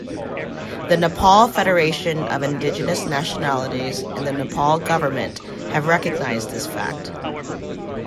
The Nepal Federation of Indigenous Nationalities and the Nepal government have recognised this fact.